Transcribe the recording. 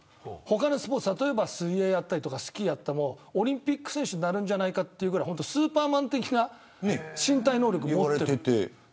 他のスポーツ例えば水泳、スキーやってもオリンピック選手になるんじゃないかというぐらいスーパーマン的な身体能力を持っている。